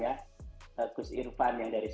lain lagi dengan nu garis satu